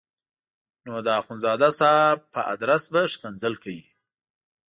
نو د اخندزاده صاحب په ادرس به ښکنځل کوي.